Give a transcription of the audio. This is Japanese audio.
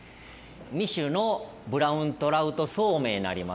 ２種のブラウントラウトそうめんになります。